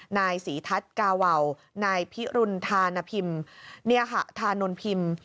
นายศรีทัศน์กาวาวนายพิรุณธานพิมพ์ธานนพิมพ์